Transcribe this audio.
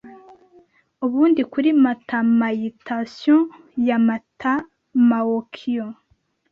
Ubu ndi kuri Matamaitasiyo ya Matamaokiyo.